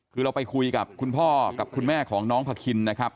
คือเราไปคุยกับคุณพ่อกับคุณแม่ของน้องพาคินนะครับ